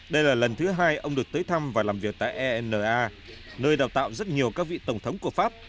đây là lần thứ hai ông được tới thăm và làm việc tại ena nơi đào tạo rất nhiều các vị tổng thống của pháp